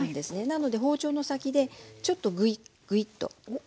なので包丁の先でちょっとグイッグイッと。